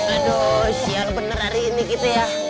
aduh siang bener hari ini gitu ya